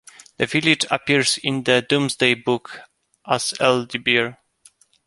The village appears in the "Domesday Book" as Eldeberie.